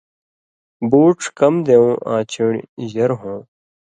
بُوڇھ کم دېوں آں چُن٘ڑیۡ ژر ہوں